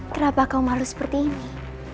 kenapa kau malu seperti ini